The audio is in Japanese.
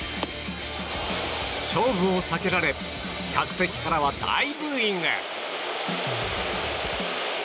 勝負を避けられ客席からは大ブーイング。